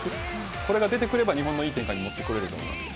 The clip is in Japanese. これが出てくると日本の良い結果に持ってこれると思います。